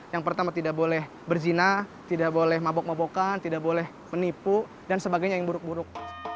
yang pertama tidak boleh berzina tidak boleh mabok mabokan tidak boleh menipu dan sebagainya yang buruk buruk